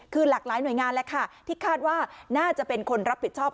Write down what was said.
คือหลากหลายหน่วยงานแหละค่ะที่คาดว่าน่าจะเป็นคนรับผิดชอบ